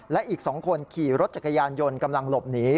และอีก๒คนขี่รถจักรยานยนต์กำลังหลบหนี